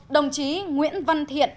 một đồng chí nguyễn văn thiện